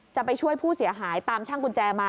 จะไปช่วยผู้เสียหายตามช่างกุญแจมา